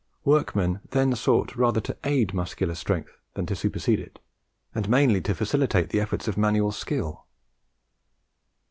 Workmen then sought rather to aid muscular strength than to supersede it, and mainly to facilitate the efforts of manual skill.